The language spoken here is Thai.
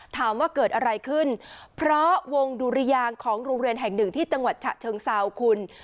ถามว่าเกิดอะไรขึ้นเพราะวงดุรยางของโรงเรียนแห่งหนึ่งที่จังหวัดฉะเชิงเซาคุณ